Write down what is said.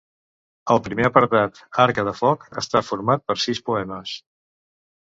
El primer apartat, Harca de foc, està format per sis poemes.